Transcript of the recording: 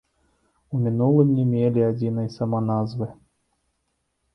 У мінулым не мелі адзінай саманазвы.